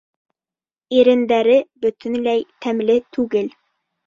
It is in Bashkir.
Ирендәре бөтөнләй тәмле түгел.